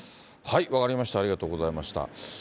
分かりました、ありがとうございました。